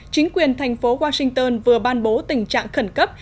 chính quyền thành phố washington vừa ban bố tình trạng khẩn cấp